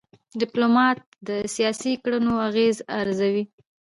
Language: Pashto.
ډيپلومات د سیاسي کړنو اغېز ارزوي.